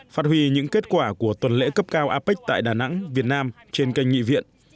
phát huy những kết quả của tuần lễ cấp cao apec tại đà nẵng việt nam trên kênh nghị viện